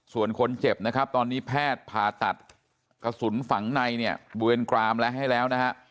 ส่วนคนเจ็บนะครับตอนนี้แพทย์ผ่าตัดกระสุนฝังในเนี่ยบริเวณกรามและให้แล้วนะฮะ